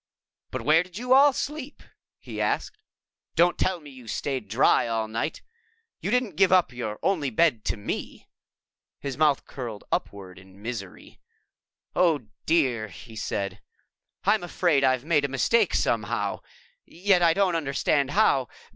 "But where did you all sleep?" he asked. "Don't tell me you stayed dry all night! You didn't give up your only bed to me?" His mouth curled upward in misery. "Oh, dear," he said, "I'm afraid I've made a mistake somehow. Yet I don't understand how.